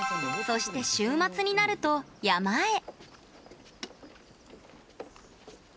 そして、週末になると山へ。